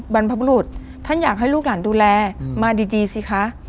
บรรพบุรุษท่านอยากให้ลูกหลานดูแลมาดีสิคะ